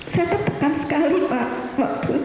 saya tertekan sekali pak waktu saya disidik